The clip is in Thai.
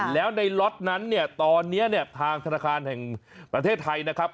แล้วในล็อตนั้นเนี่ยตอนนี้เนี่ยทางธนาคารแห่งประเทศไทยนะครับ